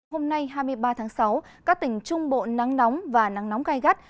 hôm nay hai mươi ba tháng sáu các tỉnh trung bộ nắng nóng và nắng nóng gai gắt